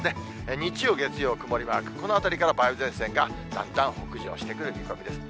日曜、月曜、曇りマーク、このあたりから梅雨前線がだんだん北上してくる見込みです。